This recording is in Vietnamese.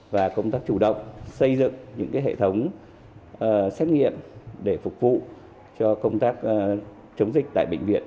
và công tác chủ động xây dựng những hệ thống xét nghiệm để phục vụ cho công tác chống dịch tại bệnh viện